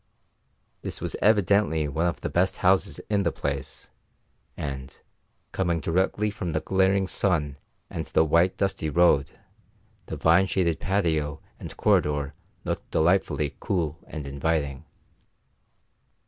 This was evidently one of the best houses in the place, and, coming directly from the glaring sun and the white, dusty road, the vine shaded patio and corridor looked delightfully cool and inviting.